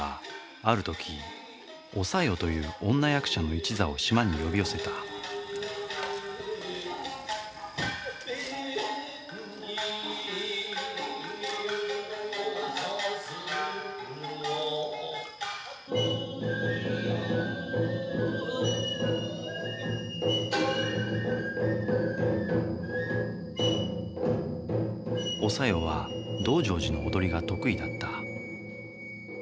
ある時お小夜という女役者の一座を島に呼び寄せたお小夜は「道成寺」の踊りが得意だった。